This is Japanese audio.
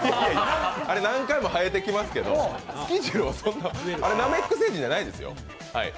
あれ何回も生えてきますけどあれ、ナメック星人じゃないですよ